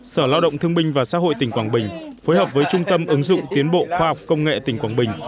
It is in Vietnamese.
sở lao động thương binh và xã hội tỉnh quảng bình phối hợp với trung tâm ứng dụng tiến bộ khoa học công nghệ tỉnh quảng bình